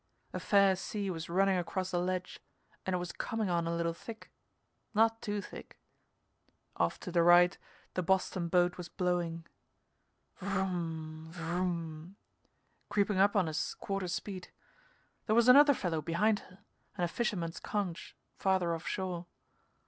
A fair sea was running across the ledge and it was coming on a little thick not too thick. Off to the right the Boston boat was blowing, whroom whroom! Creeping up on us, quarter speed. There was another fellow behind her, and a fisherman's conch farther offshore.